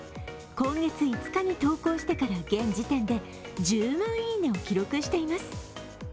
今月５日に投稿してから現時点で１０万いいねを記録しています。